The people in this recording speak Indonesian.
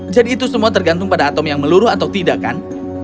jadi itu semua tergantung pada atom yang meluruh atau tidak kan